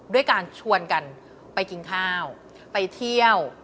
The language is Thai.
ด้วยการชวนกันไปกินข้าวไปเที่ยว